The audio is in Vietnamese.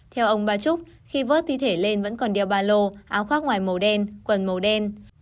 theo ông bà trúc khi vớt thi thể lên vẫn còn đeo ba lô áo khác ngoài màu đen quần màu đen